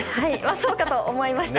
そうかと思いました。